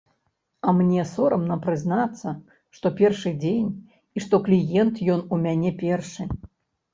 А мне сорамна прызнацца, што першы дзень, і што кліент ён у мяне першы.